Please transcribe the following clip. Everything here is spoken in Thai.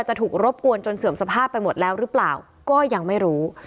ถูกรบกวนจนเสื่อมสภาพไปหมดแล้วหรือเปล่าก็ยังไม่รู้